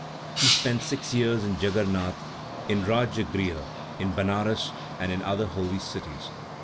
He spent six years in Djagguernat, in Radjagriha, in Benares, and in other holy cities.